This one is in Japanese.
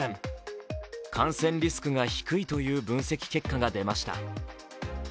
感染リスクが低いという分析結果が出ました。